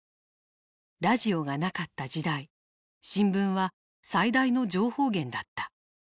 ラジオがなかった時代新聞は最大の情報源だった。